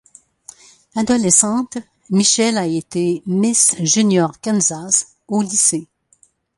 Adolescente, Michelle a été Miss Junior Kansas au lycée.